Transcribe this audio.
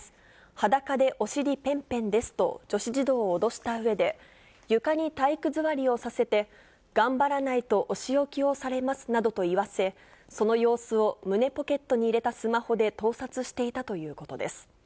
裸でお尻ぺんぺんですと女子児童を脅したうえで、床に体育座りをさせて、頑張らないとお仕置きをされますなどと言わせ、その様子を胸ポケットに入れたスマホで盗撮していたということです。